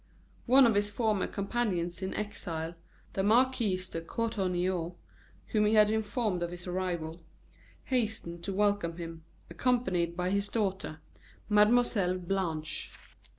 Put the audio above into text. One of his former companions in exile, the Marquis de Courtornieu, whom he had informed of his arrival, hastened to welcome him, accompanied by his daughter, Mlle. Blanche.